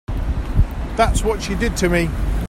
That's what she did to me.